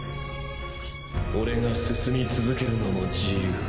オレが進み続けるのも自由。